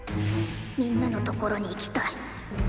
みんなの所に行きたい。